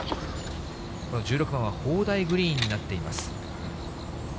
１６番は砲台グリーンになっています。